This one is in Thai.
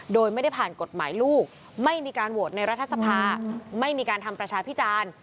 โดยไม่ได้ผ่านกฎหมายลูกไม่มีการโหวตในรัฐสภาไม่มีการทำประชาพิจารณ์